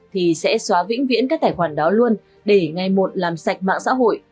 thì sẽ xóa vĩnh viễn các tài khoản đó luôn để ngay một làm sạch mạng xã hội